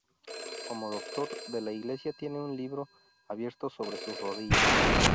Como doctor de la Iglesia tiene un libro abierto sobre sus rodillas.